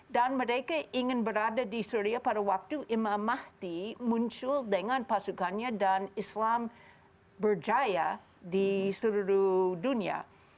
dan mereka ingin berada di syria pada waktu imam mahdi muncul dengan pasukannya dan islam berjaya di seluruh dunia